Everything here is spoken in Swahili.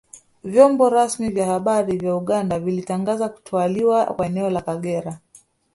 Vyombo rasmi vya habari vya Uganda vilitangaza kutwaliwa kwa eneo la Kagera